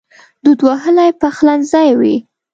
دود وهلی پخلنځی وي